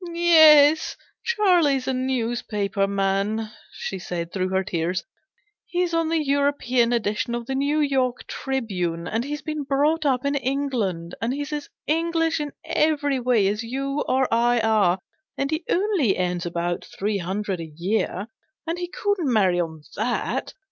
" Yes, Charlie's a news paper man/'* she said, through her tears ;" he's on the European edition of the New York Tribune : and he's been brought up in England ; and he's as English in every way as you or I are ; and he only earns about three hundred a year, and he couldn't marry on that.